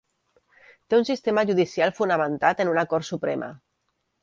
Té un sistema judicial fonamentat en una Cort Suprema.